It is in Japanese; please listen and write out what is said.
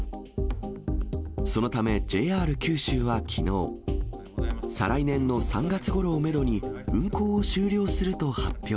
そのため、ＪＲ九州はきのう、再来年の３月ごろをメドに、運行を終了すると発表。